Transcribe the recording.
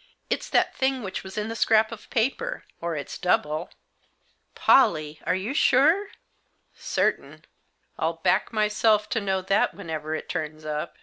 " It's that thing which was in the scrap of paper, or its double." " Pollie ! Are you sure ?"" Certain. I'll back myself to know that wherever it turns up."